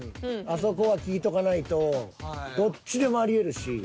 あそこは聞いとかないとどっちでもありえるし。